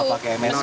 kalau pakai msg itu